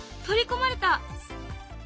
取り込まれた。